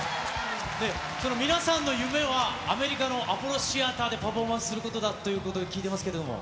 その皆さんの夢は、アメリカのアポロ・シアターでパフォーマンスするということだということを聞いてますけども。